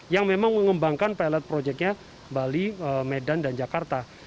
yang memang mengembangkan pilot projectnya bali medan dan jakarta